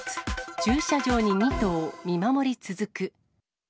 駐車場に２頭、見守り続く。